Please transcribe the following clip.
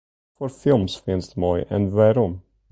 Watfoar films fynst moai en wêrom?